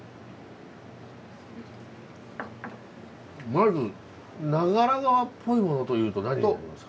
まず長良川っぽいものというと何になりますか？